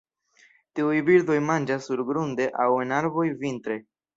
Tiuj birdoj manĝas surgrunde aŭ en arboj vintre.